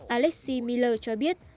alexei miller cho biết